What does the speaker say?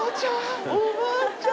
おばちゃん！